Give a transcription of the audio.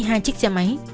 hai chiếc xe máy